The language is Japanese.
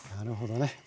なるほどね。